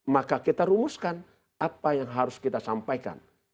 maka kita rumuskan apa yang harus kita sampaikan